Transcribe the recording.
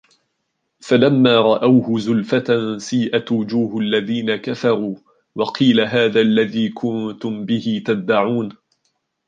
فلما رأوه زلفة سيئت وجوه الذين كفروا وقيل هذا الذي كنتم به تدعون